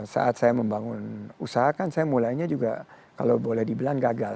saat saya membangun usaha kan saya mulainya juga kalau boleh dibilang gagal